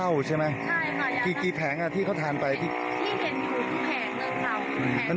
ไฟค่ะอังเกงใสหรือไม่ใช่ไขกี้แผงอะที่เขาทานไปคือแผงเว้นมัน